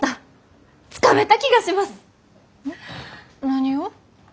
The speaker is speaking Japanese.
何を？